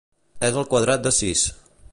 És el quadrat de sis.